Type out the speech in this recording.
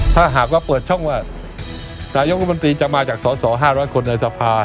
ถ้าหากว่าเปิดช่องว่านายกรมนตรีจะมาจากสอสอ๕๐๐คนในสภา